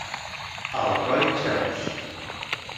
A Alcoi, xeus.